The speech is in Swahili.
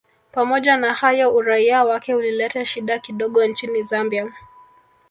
Pamoja na hayo uraia wake ulileta shida kidogo nchini Zambia